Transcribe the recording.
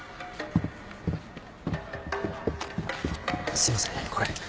すいませんこれ。